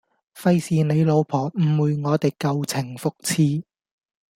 費事你老婆誤會我哋舊情復熾